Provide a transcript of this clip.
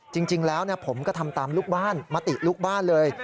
จริงแล้วผมก็ทำตามลูกบ้านมติลูกบ้านเลย